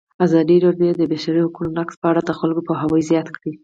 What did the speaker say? ازادي راډیو د د بشري حقونو نقض په اړه د خلکو پوهاوی زیات کړی.